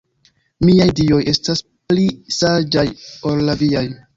Miaj Dioj estas pli saĝaj ol la viaj.